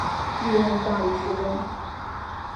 历任大理寺丞。